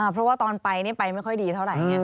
เพราะว่าตอนไปไปไม่ค่อยดีเท่าไหร่